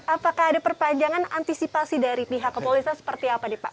apakah ada perpanjangan antisipasi dari pihak kepolisian seperti apa nih pak